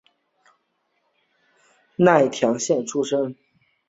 奈良县出身。